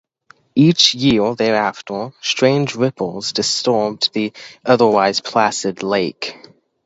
Each year thereafter, strange ripples disturbed the otherwise placid lake.